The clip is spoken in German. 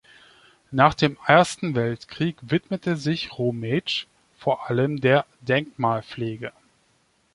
Nach dem Ersten Weltkrieg widmete sich Rometsch vor allem der Denkmalpflege.